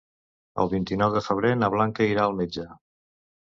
El vint-i-nou de febrer na Blanca irà al metge.